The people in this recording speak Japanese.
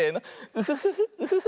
ウフフフウフフ。